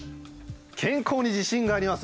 「健康に自信があります